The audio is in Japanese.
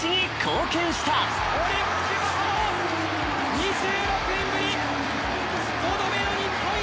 ２６年ぶり五度目の日本一。